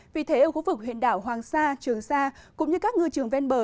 vì thế ở khu vực huyện đảo hoàng sa trường sa cũng như các ngư trường ven bờ